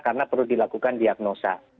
karena perlu dilakukan diagnosa